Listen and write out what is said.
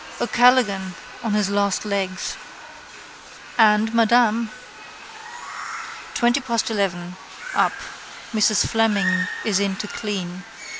O'Callaghan on his last legs. And Madame. Twenty past eleven. Up. Mrs Fleming is in to clean.